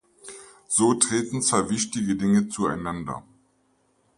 So treten zwei wichtige Dinge zueinander.